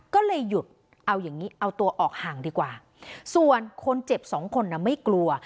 ก็เลยหยุดเอาอย่างงี้เอาตัวออกห่างดีกว่าส่วนคนเจ็บสองคนน่ะไม่กลัว